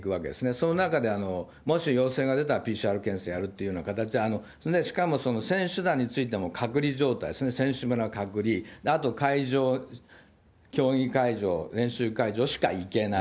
その中で、もし陽性が出たら、ＰＣＲ検査をやるっていう形で、しかも選手団についても隔離状態ですね、選手村隔離、あと会場、競技会場、練習会場しか行けない。